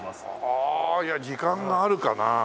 ああいや時間があるかな？